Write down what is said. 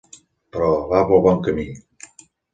Però va pel bon camí.